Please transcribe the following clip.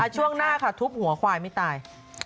ช่วงหน้าค่ะทุบหัวควายไม่ตาย